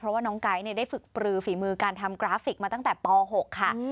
เพราะว่าน้องไก๊ได้ฝึกปลือฝีมือการทำกราฟิกมาตั้งแต่ป๖ค่ะ